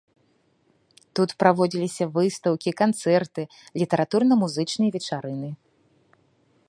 Тут праводзіліся выстаўкі, канцэрты, літаратурна-музычныя вечарыны.